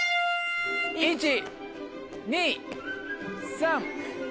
１・２・３・４。